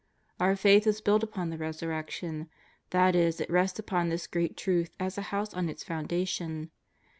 Our faith is built upon the Resurrection; that is, it rests upon this great truth as a house on its founda tion.